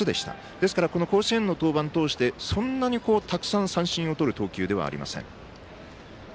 ですから、甲子園の登板投手でそんなにたくさん三振をとる投球ではありません。